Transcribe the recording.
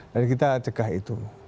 jadi kita cekah itu